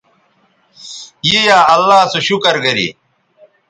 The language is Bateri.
ی یا اللہ سو شکر گری